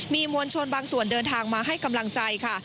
มีมวลชนบางส่วนเดินทางมาให้กำลังใจค่ะ